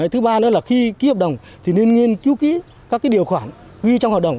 thứ ba nữa là khi ký hợp đồng thì nên nghiên cứu ký các điều khoản ghi trong hoạt động